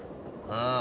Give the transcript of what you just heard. ああ。